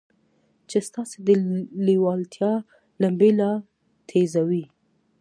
چې ستاسې د لېوالتیا لمبې لا تېزوي.